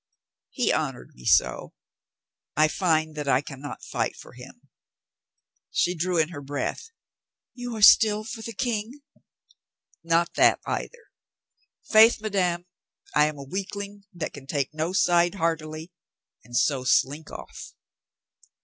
"He honored me so. I find that I can not fight for him." COLONEL STOW EXPLAINS HIMSELF 463 She drew in her breath. "You are still for the King?" "Nor that either. Faith, madame, I am a weak ling that can take no side heartily, and so slink off."